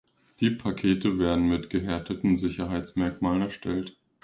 Die Pakete werden mit gehärteten Sicherheitsmerkmalen erstellt.